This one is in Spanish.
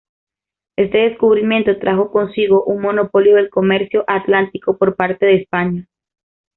Este descubrimiento trajo consigo un monopolio del comercio atlántico por parte de España.